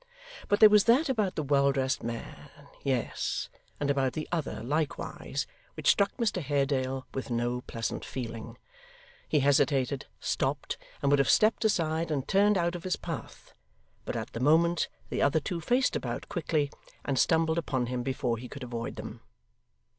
But there was that about the well dressed man, yes, and about the other likewise, which struck Mr Haredale with no pleasant feeling. He hesitated, stopped, and would have stepped aside and turned out of his path, but at the moment, the other two faced about quickly, and stumbled upon him before he could avoid them.